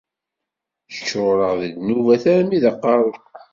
Ččureɣ d ddnubat armi d aqerru.